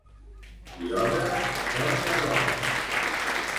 Qui obra no porta roba.